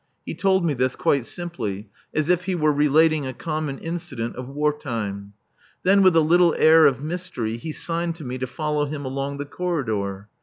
He told me this quite simply, as if he were relating a common incident of war time. Then, with a little air of mystery, he signed to me to follow him along the corridor.